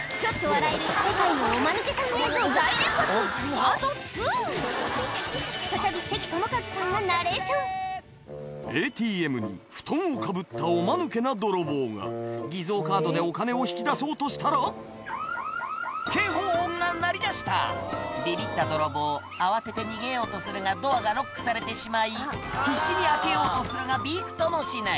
ここからは再び関智一さんがナレーションＡＴＭに布団をかぶったおマヌケな泥棒が偽造カードでお金を引き出そうとしたら警報音が鳴り出したビビった泥棒慌てて逃げようとするがドアがロックされてしまい必死に開けようとするがびくともしない！